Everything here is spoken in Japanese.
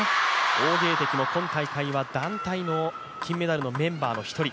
王ゲイ迪も今大会は団体の金メダルのメンバーの１人。